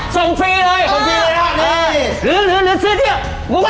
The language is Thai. ช้อปปี้ซื้อ๒กะผอง